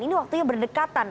ini waktunya berdekatan